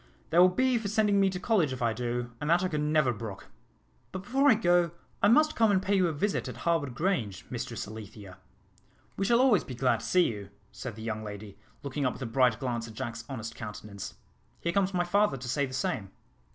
They will be for sending me to college if I do, and that I could never brook. But before I go, I must come and pay you a visit at Harwood Grange, Mistress Alethea." "We shall always be glad to see you," said the young lady, looking up with a bright glance at Jack's honest countenance. "Here comes my father to say the same."